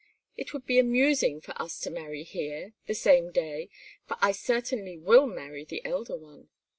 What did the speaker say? it would be amusing for us to marry here, the same day, for I certainly will marry the elder one.